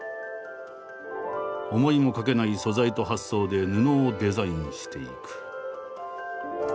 思いもかけない素材と発想で布をデザインしていく。